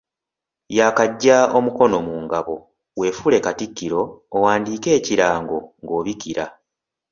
Yaakaggya omukono mu ngabo, weefuule katikkiro owandiike ekirango ng’obikira